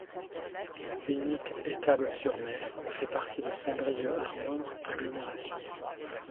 Binic-Etables-sur-Mer fait partie de Saint-Brieuc Armor Agglomération.